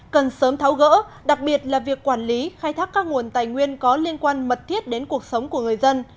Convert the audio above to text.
cần sớm tháo gỡ đặc biệt là việc quản lý khai thác các nguồn tài nguyên có liên quan mật thiết đến cuộc sống của người dân